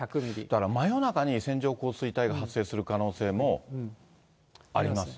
だから真夜中に線状降水帯が発生する可能性もありますね。